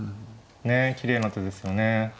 ねえきれいな手ですよね。